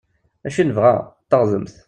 Dacu i nebɣa? D taɣdemt!